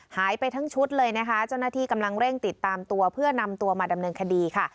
หายไปทั้งชุดเลยนะคะเจ้าหน้าที่กำลังเร่งติดตามตัวเพื่อนำตัวมาดำเนินคดีค่ะ